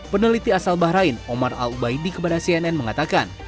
peneliti asal bahrain omar al ubaidi kepada cnn mengatakan